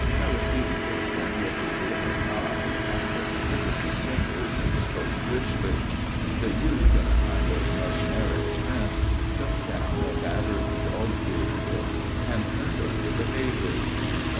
Aristide fixed him with his glittering eye and flickered his fingers and spoke richly. The youth in a kind of mesmeric trance took down a battered, dog's eared book and turned over the pages.